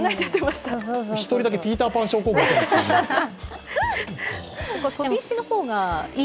１人だけピーターパン症候群みたいな。